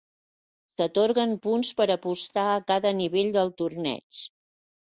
S'atorguen punts per apostar a cada nivell del torneig.